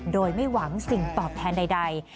โดยไม่หวังสิ่งตอบแทนใด